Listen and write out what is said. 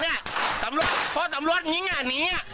นี่นี่ตำรวจพอตำรวจนิ้งนี่